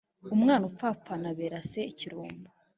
umwana upfapfana abera se ikirumbo